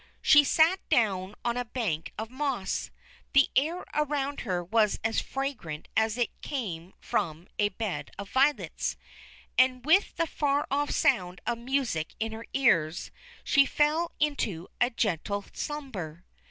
She sat down on a bank of moss. The air around her was as fragrant as if it came from a bed of violets. And with the far off sound of music in her ears, she fell into a gentle slumber.